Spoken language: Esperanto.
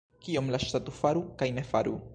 Kion la ŝtato faru kaj ne faru?